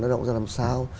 nó động ra làm sao